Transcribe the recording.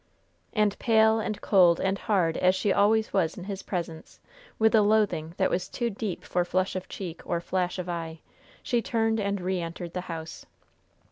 And pale and cold and hard as she always was in his presence, with a loathing that was too deep for flush of cheek or flash of eye, she turned and re entered the house.